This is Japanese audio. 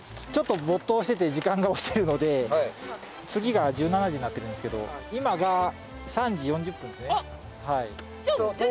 ちょっと没頭してて時間が押してるので次が１７時になってるんですけど今が３時４０分ですね。